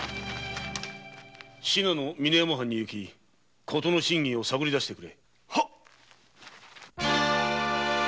信濃の峰山藩に行き事の真偽を探り出してくれ。